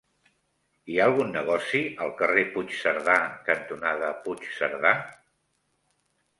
Hi ha algun negoci al carrer Puigcerdà cantonada Puigcerdà?